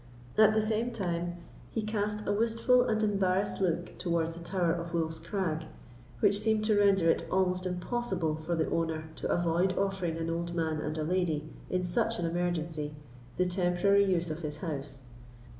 At the same time he cast a wistful and embarrassed look towards the Tower of Wolf's Crag, which seemed to render it almost impossible for the owner to avoid offering an old man and a lady, in such an emergency, the temporary use of his house.